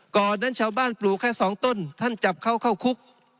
ก่อนนั้นชาวบ้านปลูกแค่สองต้นท่านจับเขาเข้าคุก